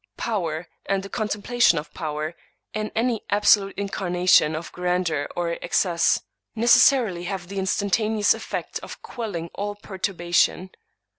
Power, and the contemplation of power, in any absolute incarnation of grandeur or excess, necessarily have the instantaneous effect of quelling all perturbation.